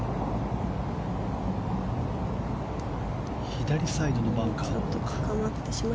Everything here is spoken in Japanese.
左サイドにバンカーが。